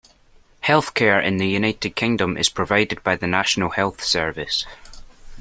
Healthcare in the United Kingdom is provided by the National Health Service